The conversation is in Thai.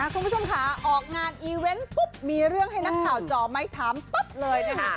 คุณผู้ชมค่ะออกงานอีเวนต์ปุ๊บมีเรื่องให้นักข่าวจ่อไม้ถามปั๊บเลยนะคะ